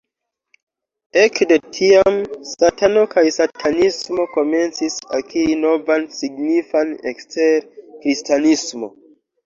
Ekde tiam, Satano kaj Satanismo komencis akiri novan signifan ekster Kristanismo.